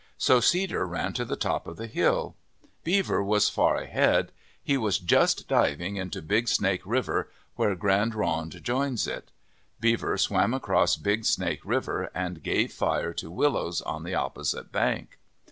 So Cedar ran to the top of the hill. Beaver was far ahead. He was just diving into Big Snake River where Grande Ronde joins it. Beaver swam across Big Snake River and gave fire to Willows on the opposite bank.